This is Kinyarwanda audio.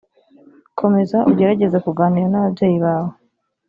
komeza ugerageze kuganira n ababyeyi bawe